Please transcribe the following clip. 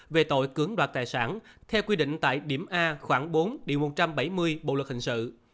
về tội cưỡng đoạt tài sản theo quy định tại điểm a khoảng bốn điều một trăm bảy mươi bộ luật hình sự